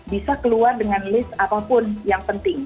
bisa keluar dengan list apapun yang penting